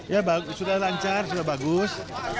ya sudah lancar sudah bagus